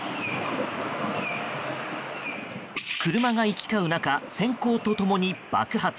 車が行き交う中閃光と共に爆発。